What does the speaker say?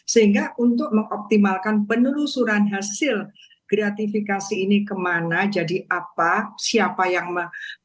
sehingga untuk mengoptimalkan penelusuran hasil gratifikasi ini kemana jadi apa siapa yang melakukan